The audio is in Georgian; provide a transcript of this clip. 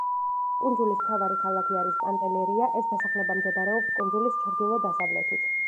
კუნძულის მთავარი ქალაქი არის პანტელერია, ეს დასახლება მდებარეობს კუნძულის ჩრდილო-დასავლეთით.